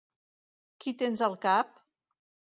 Qui tens al cap?